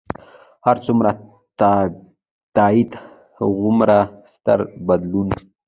هر څومره تایید، هغومره ستر بدلون.